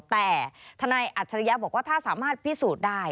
แต่ทนายอัจฉริยะบอกว่าถ้าสามารถพิสูจน์ได้